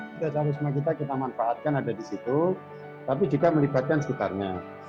kita harus memanfaatkan ada di situ tapi juga melibatkan sekitarnya